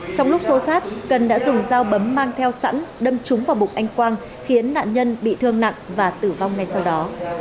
trong lúc xô sát cần đã dùng dao bấm mang theo sẵn đâm trúng vào bụng anh quang khiến nạn nhân bị thương nặng và tử vong ngay sau đó